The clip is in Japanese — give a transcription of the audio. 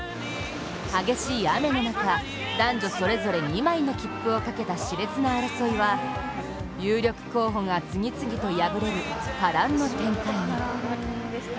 激しい雨の中、男女それぞれ２枚の切符をかけた、しれつな争いは有力候補が次々と敗れる波乱の展開に。